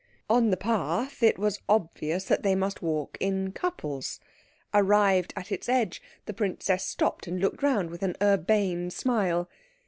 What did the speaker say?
On the path it was obvious that they must walk in couples. Arrived at its edge, the princess stopped and looked round with an urbane smile.